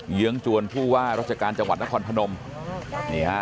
เยื้องจวนผู้ว่าราชการจังหวัดนครพนมนี่ฮะ